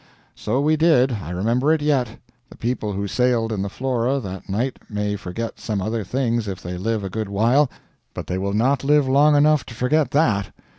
So we did. I remember it yet. The people who sailed in the Flora that night may forget some other things if they live a good while, but they will not live long enough to forget that.